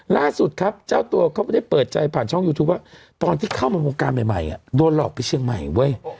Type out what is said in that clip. ล่าสุดครับเจ้าตัวเขาได้เปิดใจผ่านช่องยูทูปว่าตอนที่เข้ามาวงการใหม่โดนหลอกไปเชียงใหม่เว้ย